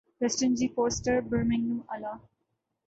Preston G Foster Birmingham الا